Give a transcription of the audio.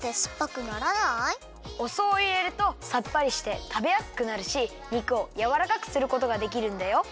お酢をいれるとさっぱりしてたべやすくなるしにくをやわらかくすることができるんだよ。